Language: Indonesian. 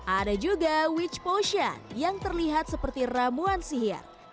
ada juga witch position yang terlihat seperti ramuan sihir